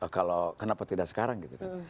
kalau kenapa tidak sekarang gitu kan